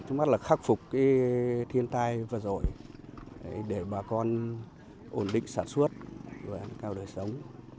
trước mắt là khắc phục thiên tai vừa rồi để bà con ổn định sản xuất và cao đời sống